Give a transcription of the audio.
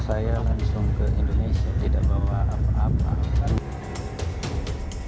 saya langsung ke indonesia tidak bawa apa apa